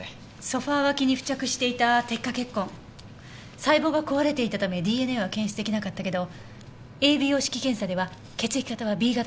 ソファ脇に付着していた滴下血痕細胞が壊れていたためＤＮＡは検出できなかったけどＡＢＯ式検査では血液型はＢ型でした。